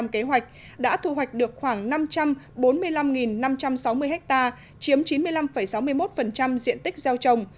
kế hoạch đã thu hoạch được khoảng năm trăm bốn mươi năm năm trăm sáu mươi ha chiếm chín mươi năm sáu mươi một diện tích gieo trồng